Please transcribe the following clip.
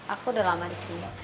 aku udah lama di sini